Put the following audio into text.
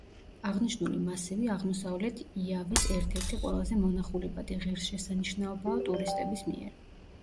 აღნიშნული მასივი აღმოსავლეთ იავის ერთ-ერთი ყველაზე მონახულებადი ღირსშესანიშნაობაა ტურისტების მიერ.